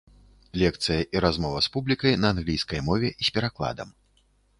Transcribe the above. Лекцыя і размова з публікай на англійскай мове з перакладам.